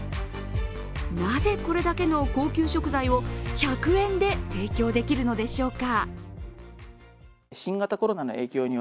なぜ、これだけの高級食材を１００円で提供できるのでしょうか。